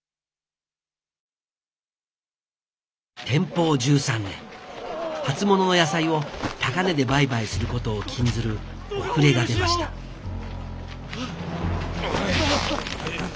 天保１３年初物の野菜を高値で売買することを禁ずるお触れが出ましたおい。